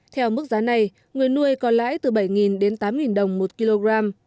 theo mức giá này người nuôi có lãi từ bảy đến tám đồng một kg